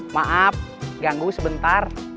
maaf ganggu sebentar